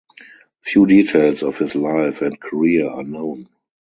Few details of his life and career are known.